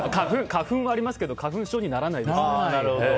花粉はありますけど花粉症にはならなかったです。